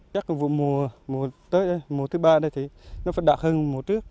chắc cái vụ mùa tới mùa thứ ba đây thì nó phải đạt hơn mùa trước